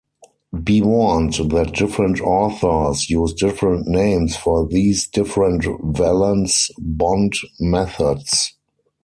Be warned that different authors use different names for these different valence bond methods.